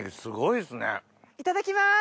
いただきます。